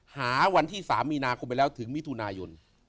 หาวันที่๓มีนาคมไปแล้วถึงมิถุนายน